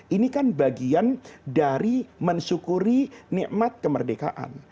ini kan bagian dari mensyukuri nikmat kemerdekaan